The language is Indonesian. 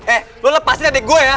eh lo lepasin adik gue ya